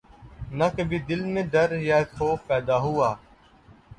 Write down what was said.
نہ کبھی دل میں ڈر یا خوف پیدا ہوا